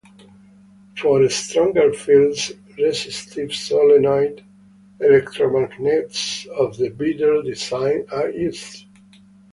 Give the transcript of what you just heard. For stronger fields resistive solenoid electromagnets of the Bitter design are used.